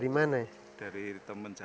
ini mas robin ya